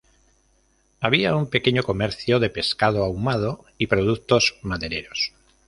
Había un pequeño comercio de pescado ahumado y productos madereros.